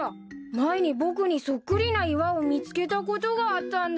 前に僕にそっくりな岩を見つけたことがあったんだ。